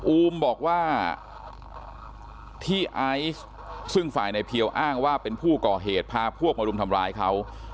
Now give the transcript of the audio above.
อูมบอกว่าที่ไอซ์ซึ่งฝ่ายในเพียวอ้างว่าเป็นผู้ก่อเหตุพาพวกมารุมทำร้ายเขา